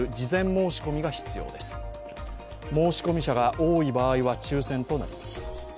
申込者が多い場合は抽選となります。